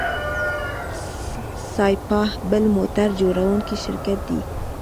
سایپا بل موټر جوړوونکی شرکت دی.